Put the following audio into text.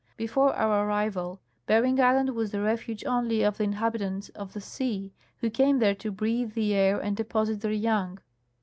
Before our arrival, Bering island was the refuge only of the inhabitants of the sea, who came there to breathe the air and deposit their young.